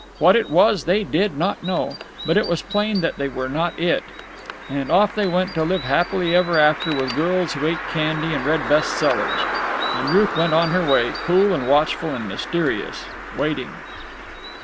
What it was they did not know, but it was plain that they were not it, and off they went to live happily ever after with girls who ate candy and read best sellers. And Ruth went on her way, cool and watchful and mysterious, waiting.